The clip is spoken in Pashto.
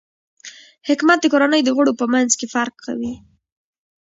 حکمت د کورنۍ د غړو په منځ کې فرق کوي.